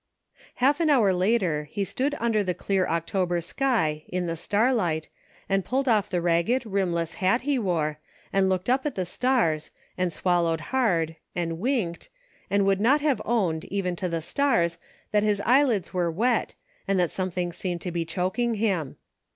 Half an hour later he stood under the clear October sky, in the starlight, and pulled off the ragged, rimless hat he wore and looked up at the stars, and swallowed hard, and winked, and would not have owned, even to the stars, that his eyelids were wet and that something seemed to be chok ing him.